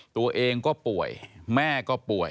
ตัวเองก็ป่วยแม่ก็ป่วย